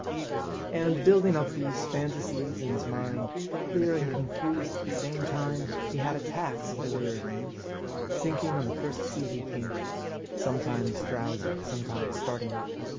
And, building up these fantasies in his mind, clear and confused at the same time, he had attacks of delirium, sinking on the first seat he came to; sometimes drowsy, sometimes starting up.